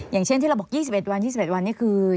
อย่างเช่นที่เราบอก๒๑วัน๒๑วันนี้คือ